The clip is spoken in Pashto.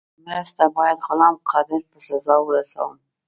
په مرسته باید غلام قادر په سزا ورسوم.